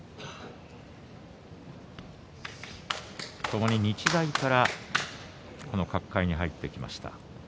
ともに日大からこの角界に入ってきました。